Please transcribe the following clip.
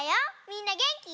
みんなげんき？